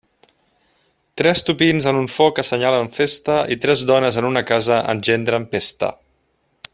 Tres topins en un foc assenyalen festa i tres dones en una casa engendren pesta.